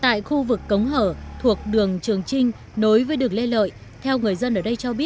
tại khu vực cống hở thuộc đường trường trinh nối với đường lê lợi